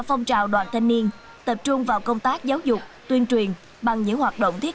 phong trào đoàn thanh niên tập trung vào công tác giáo dục tuyên truyền bằng những hoạt động thiết